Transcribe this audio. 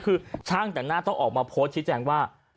คือช่างแต่งหน้าต้องออกมาโพสต์ชี้แจงว่า